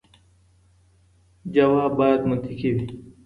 ځواب باید منطقي وي.